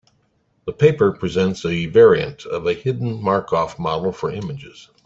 The paper presents a variant of a hidden Markov model for images.